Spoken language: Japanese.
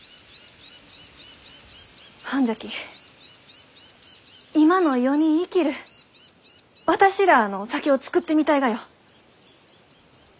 ほんじゃき今の世に生きる私らあの酒を造ってみたいがよ。